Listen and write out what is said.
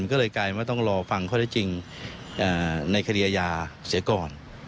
ก็เลยกลายมาต้องรอฟังข้อได้จริงในคดีอาญาเสียก่อน